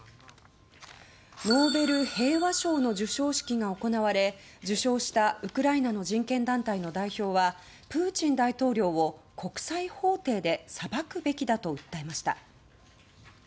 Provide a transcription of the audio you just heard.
ノーベル平和賞の授賞式が行われ受賞したウクライナの人権団体の代表はプーチン大統領を国際法廷で裁くべきだと訴えました。